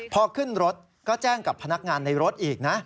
พอขึ้นรถก็แจ้งกับพนักงานในรถอีกนะ